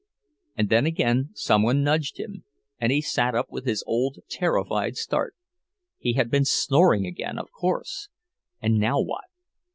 And then again someone nudged him, and he sat up with his old terrified start! He had been snoring again, of course! And now what?